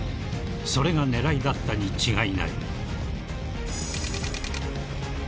［それが狙いだったに違いない］